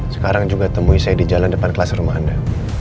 sekarang juga temui saya di jalan depan kelas rumah anda